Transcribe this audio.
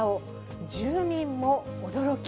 住民も驚き。